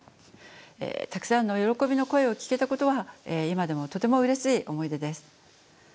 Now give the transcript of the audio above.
たくさんの喜びの声を聞けたことは今でもとてもうれしい思い出です。